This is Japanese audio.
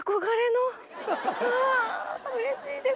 うわうれしいです。